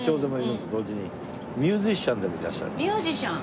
ミュージシャン？